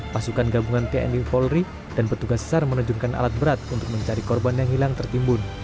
pasukan gabungan tni polri dan petugas sar menerjunkan alat berat untuk mencari korban yang hilang tertimbun